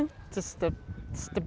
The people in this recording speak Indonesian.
ini adalah hal terbesar